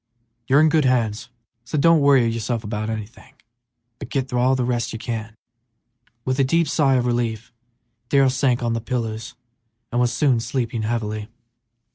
"You're in good hands, so don't worry yourself about anything, but get all the rest you can." With a deep sigh of relief Darrell sank on the pillows, and was soon sleeping heavily.